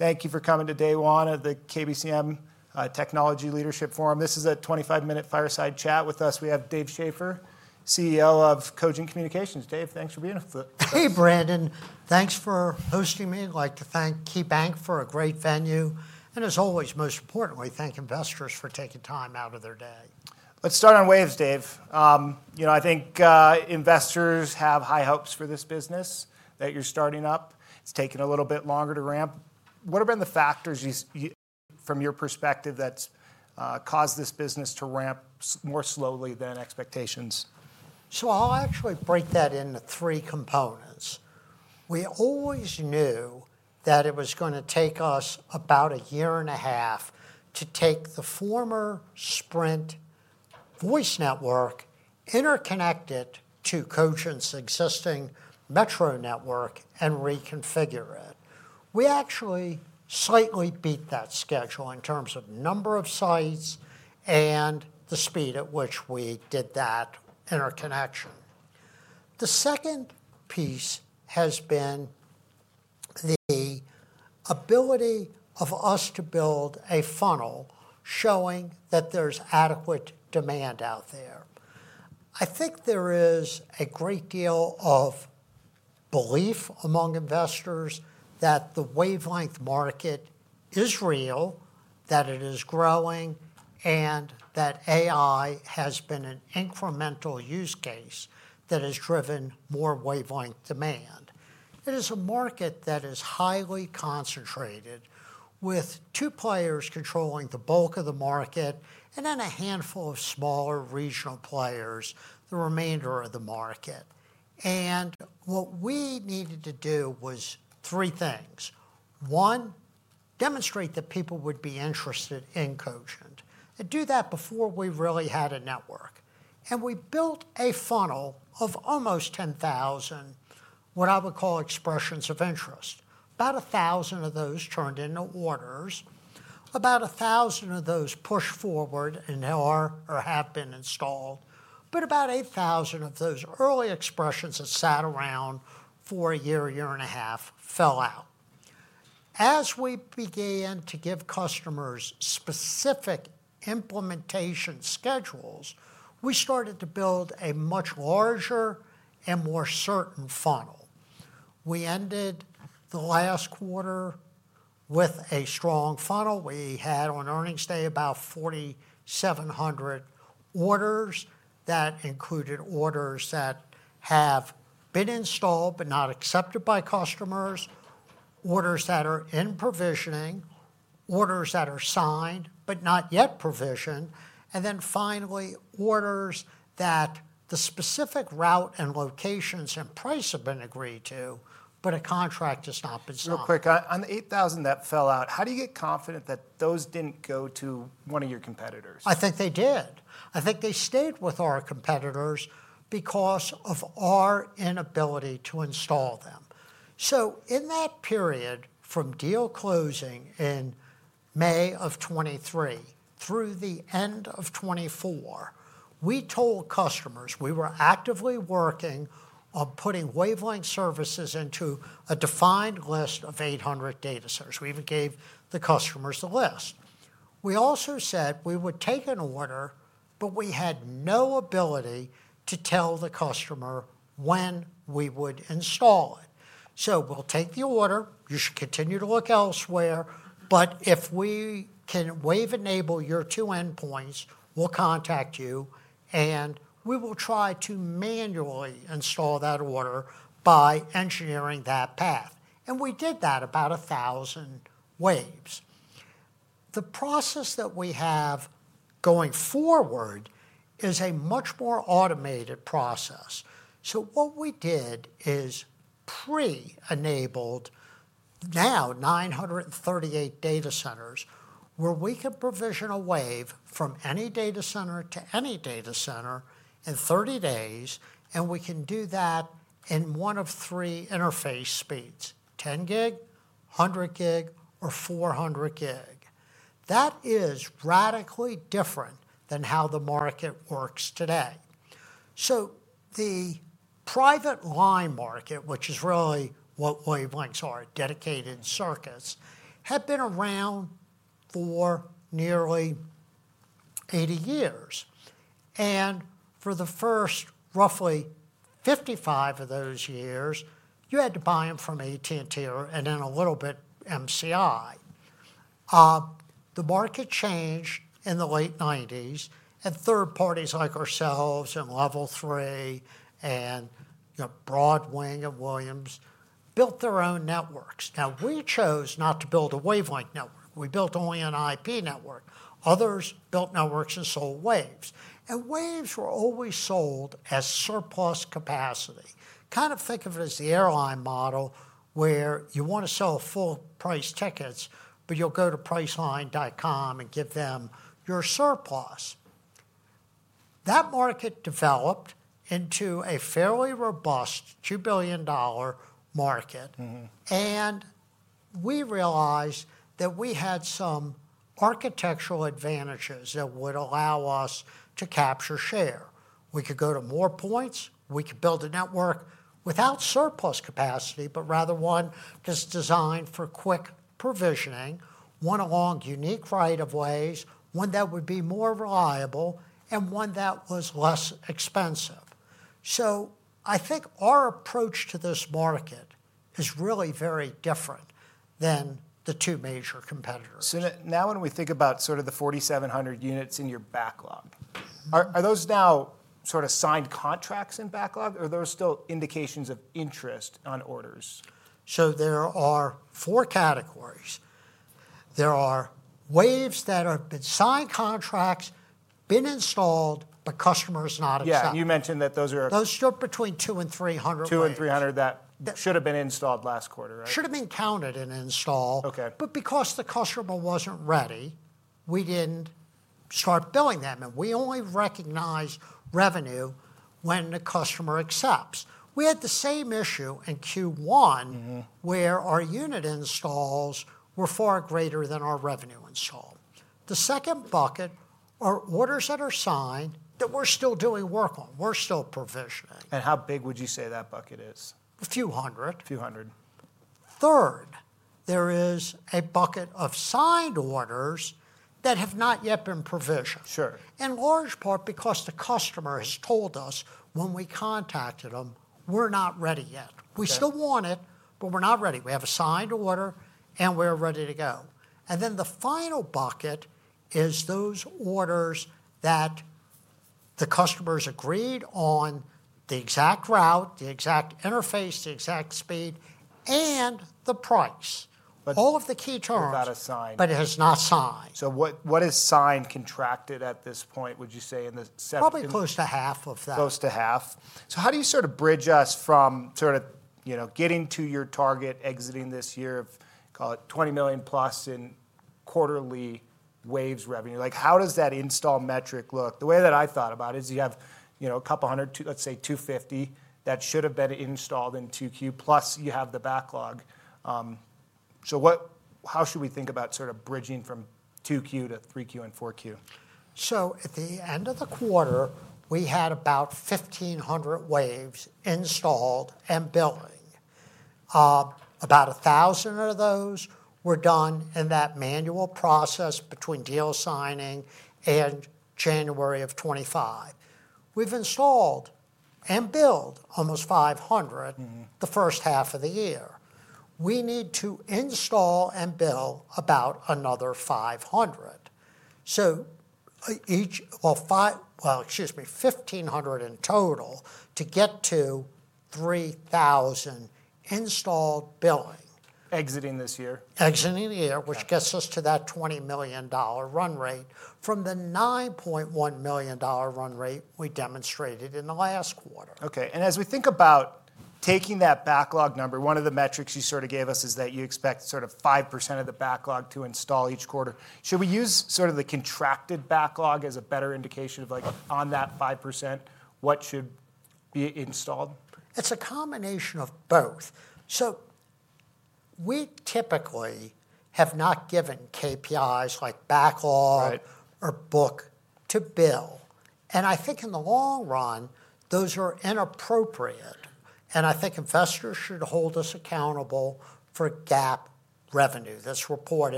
Thank you for coming to Day One of the KBCM Technology Leadership Forum. This is a 25-minute fireside chat with us. We have Dave Schaeffer, CEO of Cogent Communications. Dave, thanks for being with us. Hey, Brandon. Thanks for hosting me. I'd like to thank KeyBank for a great venue. Most importantly, thank investors for taking time out of their day. Let's start on waves, Dave. I think investors have high hopes for this business that you're starting up. It's taken a little bit longer to ramp. What have been the factors, from your perspective, that caused this business to ramp more slowly than expectations? I'll actually break that into three components. We always knew that it was going to take us about a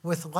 year-and-a-half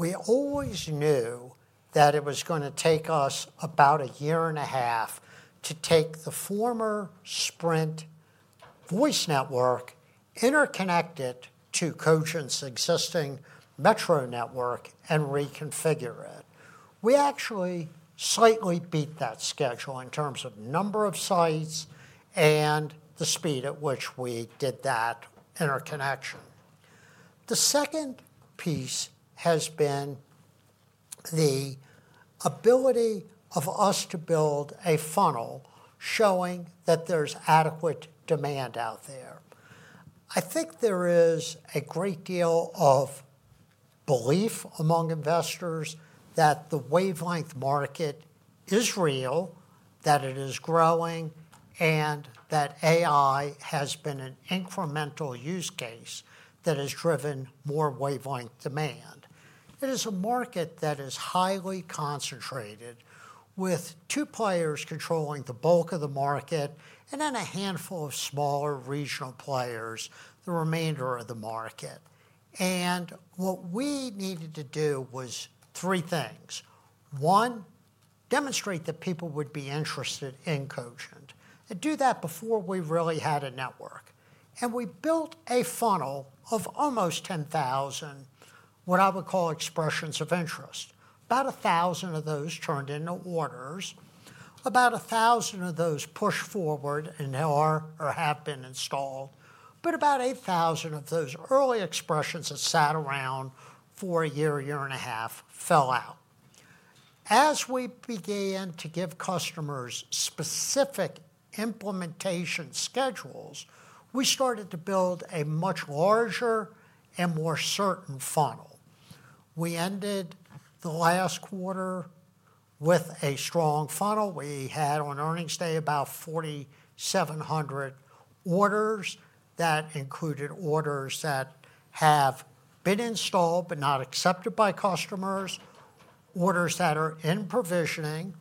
to take the former Sprint voice network, interconnect it to Cogent's existing metro network, and reconfigure it. We actually slightly beat that schedule in terms of number of sites and the speed at which we did that interconnection. The second piece has been the ability of us to build a funnel showing that there's adequate demand out there. I think there is a great deal of belief among investors that the wavelength market is real, that it is growing, and that AI has been an incremental use case that has driven more wavelength demand. It is a market that is highly concentrated with two players controlling the bulk of the market and then a handful of smaller regional players, the remainder of the market. What we needed to do was three things: one, demonstrate that people would be interested in Cogent, and do that before we really had a network. We built a funnel of almost 10,000, what I would call expressions of interest. About 1,000 of those turned into orders. About 1,000 of those pushed forward and have been installed. About 8,000 of those early expressions that sat around for a year, year-and-a-half fell out. As we began to give customers specific implementation schedules, we started to build a much larger and more certain funnel. We ended the last quarter with a strong funnel. We had on earnings day about 4,700 orders that included orders that have been installed but not accepted by customers, orders that are in provisioning,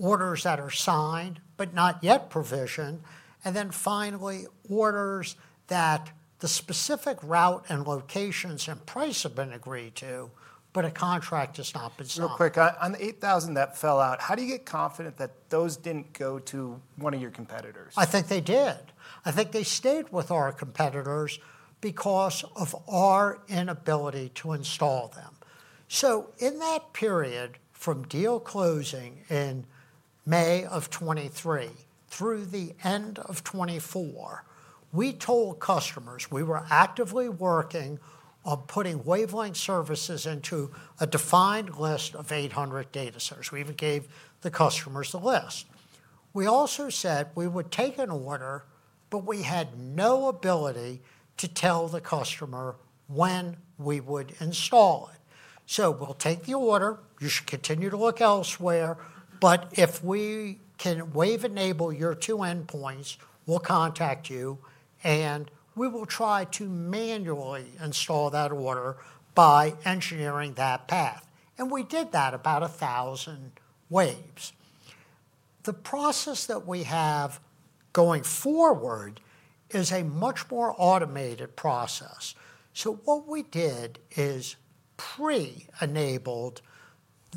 orders that are signed but not yet provisioned, and finally orders that the specific route and locations and price have been agreed to, but a contract has not been signed. Real quick, on the 8,000 that fell out, how do you get confident that those didn't go to one of your competitors? I think they did. I think they stayed with our competitors because of our inability to install them. In that period from deal closing in May of 2023 through the end of 2024, we told customers we were actively working on putting wavelength services into a defined list of 800 data centers. We even gave the customers the list. We also said we would take an order, but we had no ability to tell the customer when we would install it. We’ll take the order. You should continue to look elsewhere. If we can wave-enable your two endpoints, we’ll contact you, and we will try to manually install that order by engineering that path. We did that for about 1,000 waves. The process that we have going forward is a much more automated process. What we did is pre-enabled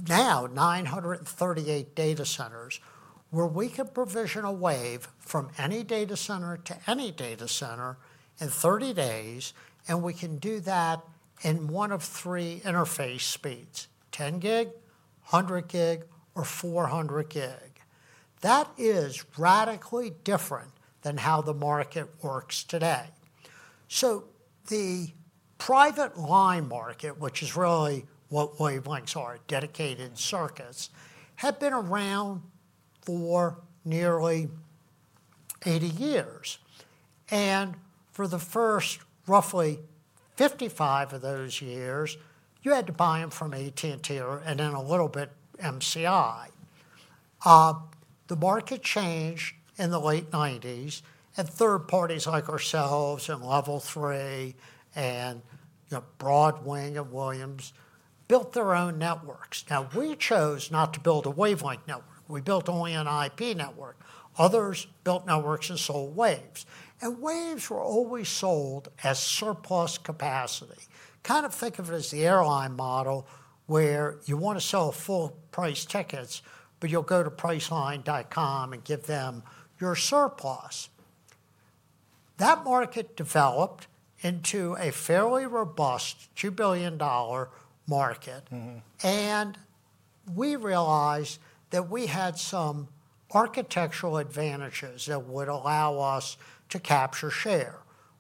now 938 data centers where we could provision a wave from any data center to any data center in 30 days, and we can do that in one of three interface speeds: 10G, 100G, or 400G. That is radically different than how the market works today. The private line market, which is really what wavelengths are dedicated in circuits, had been around for nearly 80 years. For the first roughly 55 of those years, you had to buy them from AT&T and then a little bit MCI. The market changed in the late 1990s, and third parties like ourselves and Level 3 and BroadWing and Williams built their own networks. We chose not to build a wavelength network. We built only an IP network. Others built networks and sold waves. Waves were always sold as surplus capacity. Kind of think of it as the airline model where you want to sell full price tickets, but you’ll go to Priceline.com and give them your surplus. That market developed into a fairly robust $2 billion market. We realized that we had some architectural advantages that would allow us to capture share.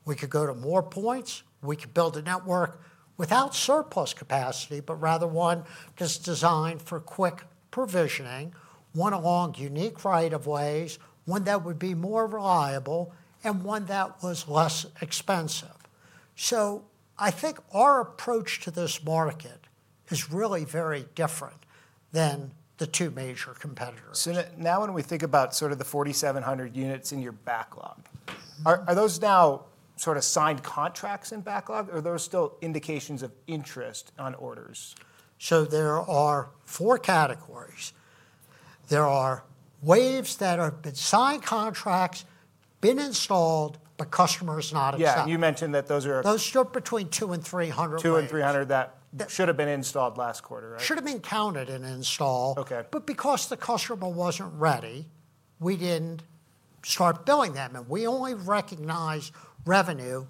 We could go to more points. We could build a network without surplus capacity, but rather one that’s designed for quick provisioning, one along unique right-of-ways, one that would be more reliable, and one that was less expensive. I think our approach to this market is really very different than the two major competitors. When we think about sort of the 4,700 units in your backlog, are those now sort of signed contracts in backlog? Are those still indications of interest on orders? There are four categories. There are waves that have been signed contracts, been installed, but customers not accepted. Yeah, you mentioned that those are. Those should be between $200 and $300. $200 and $300 that should have been installed last quarter, right? Should have been counted in install. OK. Because the customer wasn't ready, we didn't start billing them, and we only recognize revenue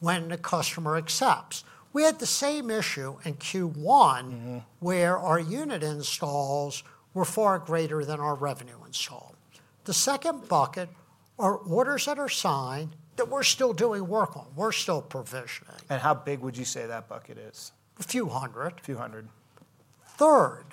when the customer accepts. We had the same issue in Q1 where our unit installs were far greater than our revenue install. The second bucket are orders that are signed that we're still doing work on. We're still provisioning. How big would you say that bucket is? A few hundred. A few hundred. Third,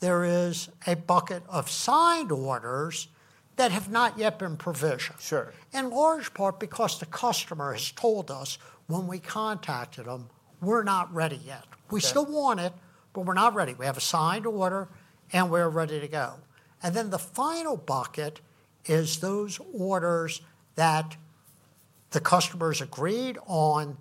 there is a bucket of signed orders that have not yet been provisioned. Sure. In large part because the customer has told us when we contacted them, we're not ready yet. We still want it, but we're not ready. We have a signed order, and we're ready to go. The final bucket is those orders that the customers agreed on